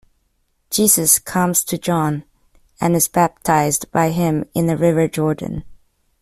Jesus comes to John, and is baptized by him in the river Jordan.